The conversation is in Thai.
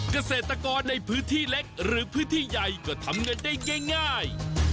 เกษตรกรในพื้นที่เล็กหรือพื้นที่ใหญ่ก็ทำเงินได้ง่าย